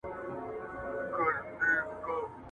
مفت شراب قاضي لا خوړلي دي.